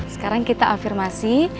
sekarang kita afirmasi